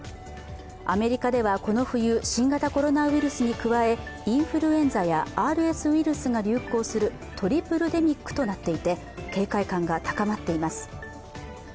アメリカではこの冬、新型コロナウイルスに加えインフルエンザやＲＳウイルスが流行するトリプルデミックとなっていて警戒感が高まっています。